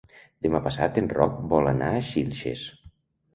Demà passat en Roc vol anar a Xilxes.